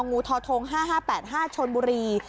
งูทอทง๕๕๘๕ชนบุรี